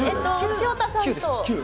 潮田さんと。